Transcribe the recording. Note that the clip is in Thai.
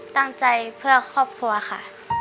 ตั้งใจเพื่อครอบครัวค่ะ